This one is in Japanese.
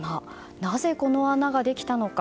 なぜ、この穴ができたのか。